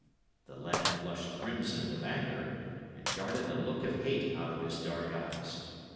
The lad flushed crimson with anger, and darted a look of hate out of his dark eyes.